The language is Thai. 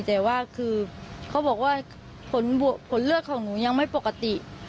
แต่ว่าคือเขาบอกว่าผลเลือดของหนูยังไม่ปกติ